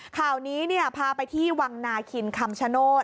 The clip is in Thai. ข่าวนี้พาไปที่วังนาคินคำชโนธ